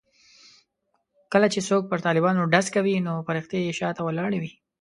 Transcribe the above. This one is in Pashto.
کله چې څوک پر طالبانو ډز کوي نو فرښتې یې شا ته ولاړې وي.